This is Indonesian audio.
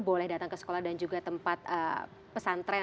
boleh datang ke sekolah dan juga tempat pesantren